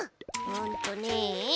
うんとね。